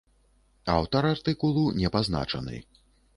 Аўтар артыкулу не пазначаны.